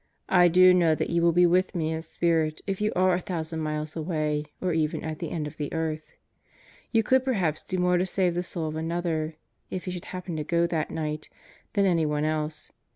I do know that you will be with me in spirit if you are a thousand miles away or even at the end of the earth. You could perhaps do more to save the soul of another if he should happen, to go that night than anyone else.